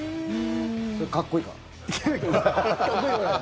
それはかっこいいから？